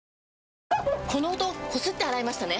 この音こすって洗いましたね？